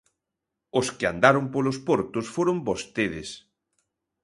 Os que andaron polos portos foron vostedes.